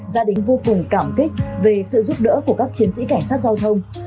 gia đình vô cùng cảm kích về sự giúp đỡ của các chiến sĩ cảnh sát giao thông